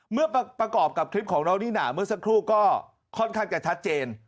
เมื่อประกอบกับคลิปของน้องนิน่าเมื่อสักครู่ก็ค่อนข้างจะชัดเจน